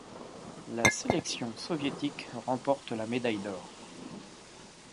La sélection soviétique remporte la médaille d'or.